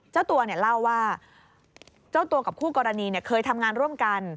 เจ้าตัวเล่าว่าเจ้าตัวกับคู่กรณีเคยทำงานร่วมกัน